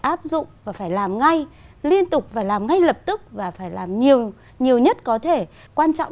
áp dụng và phải làm ngay liên tục và làm ngay lập tức và phải làm nhiều nhiều nhất có thể quan trọng